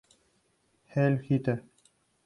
Heil Hitler!".